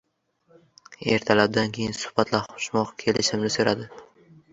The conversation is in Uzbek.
Ertadan keyin suhbatlashmoq kelishimni so’radi.